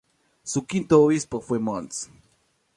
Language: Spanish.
Su quinto obispo fue Mons.